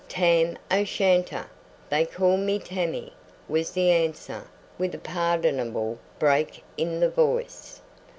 "Tam o'Shanter. They call me Tammy," was the answer, with a pardonable break in the voice.